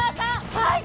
はい！